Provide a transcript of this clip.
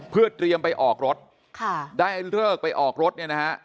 เพื่อเตรียมไปออกรถค่ะได้เลิกไปออกรถเนี่ยนะฮะ